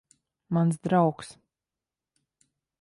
Mans draugs.